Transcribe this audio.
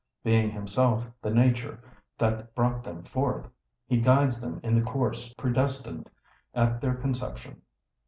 Being himself the nature that brought them forth, he guides them in the course predestined at their conception.